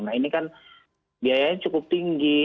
nah ini kan biayanya cukup tinggi